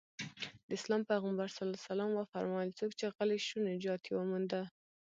د اسلام پيغمبر ص وفرمايل څوک چې غلی شو نجات يې ومونده.